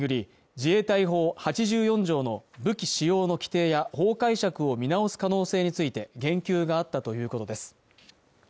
自衛隊法８４条の武器使用の規定や法解釈を見直す可能性について言及があったということです